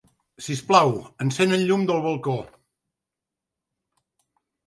Sisplau, encén el llum del balcó.